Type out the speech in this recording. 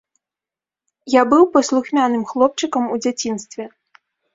Я быў паслухмяным хлопчыкам у дзяцінстве.